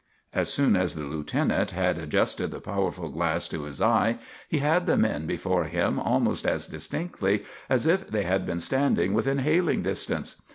As soon as the lieutenant had adjusted the powerful glass to his eye, he had the men before him almost as distinctly as if they had been standing within hailing distance.